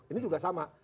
ini juga sama